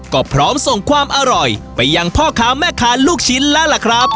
ก็พร้อมส่งความอร่อยไปยังพ่อค้าแม่ค้าลูกชิ้นแล้วล่ะครับ